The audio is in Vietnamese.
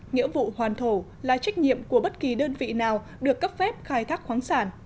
nghĩa vụ hoàn thổ là trách nhiệm của bất kỳ đơn vị nào được cấp phép khai thác khoáng sản